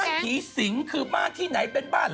ผีสิงคือบ้านที่ไหนเป็นบ้าน